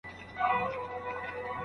ليکوال وويل چي د کتاب چاپول سخت کار دی.